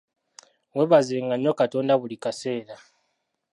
Weebaze nga nnyo Katonda buli kaseera.